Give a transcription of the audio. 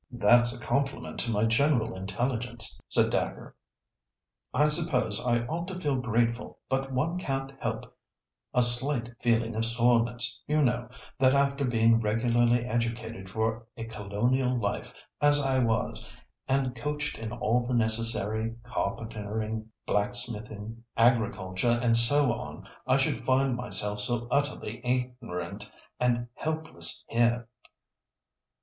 "That's a compliment to my general intelligence," said Dacre. "I suppose I ought to feel grateful. But one can't help a slight feeling of soreness, you know, that after being regularly educated for a colonial life, as I was, and coached in all the necessary carpentering, blacksmithing, agriculture, and so on, I should find myself so utterly ignorant and helpless here."